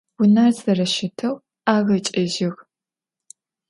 Vuner zereşıteu ağeç'ejjığ.